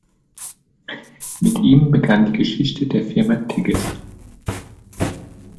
Mit ihm begann die Geschichte der Firma Tigges.